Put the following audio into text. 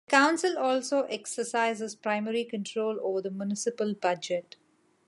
The council also exercises primary control over the municipal budget.